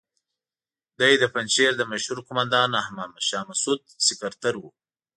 دی د پنجشیر د مشهور قوماندان احمد شاه مسعود سکرتر وو.